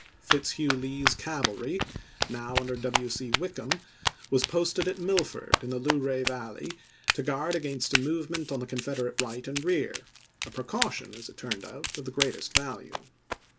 Fitz hugh Lee's cavalry, now under W. C. Wickham, was posted at Millford, in the Luray Valley, to guard against a movement on the Confederate right and rear — a precaution, as it turned out, of the greatest value.